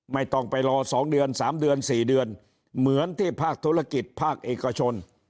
ไม่ต้องไปรอ๒เดือน๓เดือน๔เดือนเหมือนที่ภาคธุรกิจภาคเอกชน